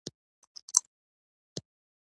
اوس هم راباندې ګران یې